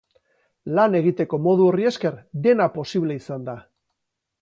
Lan egiteko modu horri esker dena posible izan da.